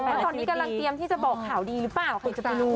แล้วตอนนี้กำลังเตรียมที่จะบอกข่าวดีหรือเปล่าใครจะไปรู้